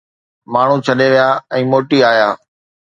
ماڻهو ڇڏي ويا ۽ موٽي آيا